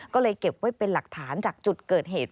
ก็เลยเก็บไว้เป็นหลักฐานจากจุดเกิดเหตุ